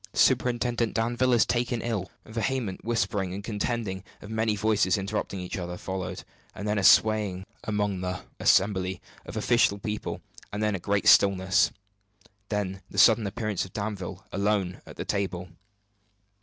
Superintendent Danville is taken ill!" A vehement whispering and contending of many voices interrupting each other, followed; then a swaying among the assembly of official people; then a great stillness; then the sudden appearance of Danville, alone, at the table.